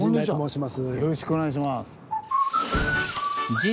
よろしくお願いします。